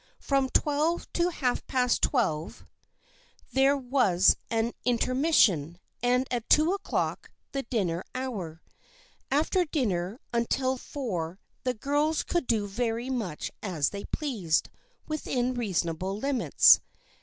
From twelve to half past twelve there was an in termission, and at two o'clock the dinner hour. After dinner until four the girls could do very much as they pleased, within reasonable limits.